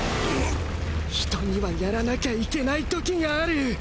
人にはやらなきゃいけない時がある！